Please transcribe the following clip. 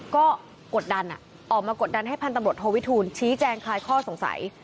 ก็กดดันออกมากดดันให้พันตำรวจโทวิทูลชี้แจงคลายข้อสงสัย